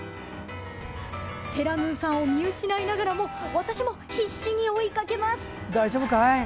てらぬさんを見失いながらも私も必死に追いかけます。